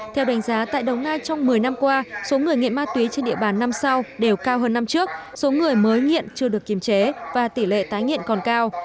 theo đánh giá tại đồng nai trong một mươi năm qua số người nghiện ma túy trên địa bàn năm sau đều cao hơn năm trước số người mới nghiện chưa được kiềm chế và tỷ lệ tái nghiện còn cao